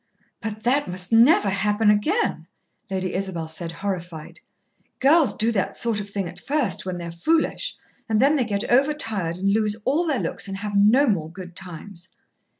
"But that must never happen again," Lady Isabel said, horrified. "Girls do that sort of thing at first, when they're foolish, and then they get over tired and lose all their looks and have no more good times."